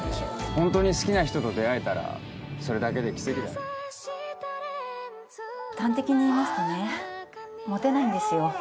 ホントに好きな人と出会えたらそれだけで奇跡だ端的に言いますとねモテないんですよ